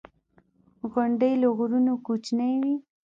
• غونډۍ له غرونو کوچنۍ وي.